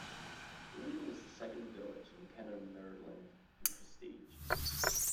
Limmen was the second village in Kennermerland in prestige.